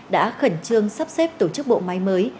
đã khẩn trương sắp xếp tổ chức bộ máy mới